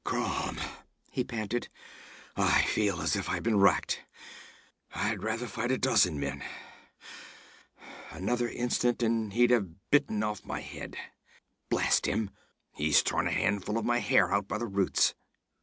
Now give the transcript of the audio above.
'Crom!' he panted. 'I feel as if I'd been racked! I'd rather fight a dozen men. Another instant and he'd have bitten off my head. Blast him, he's torn a handful of my hair out by the roots.'